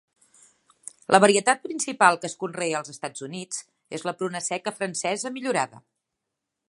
La varietat principal que es conrea als Estats Units és la pruna seca francesa millorada.